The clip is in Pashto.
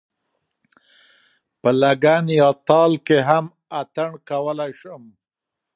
په لګن یا تال کې هم اتڼ کولای شم.